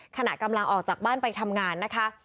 ขณะกำลังออกจากบ้านไปทำงานนะคะ